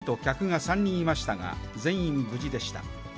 当時、店には店員２人と客が３人いましたが、全員無事でした。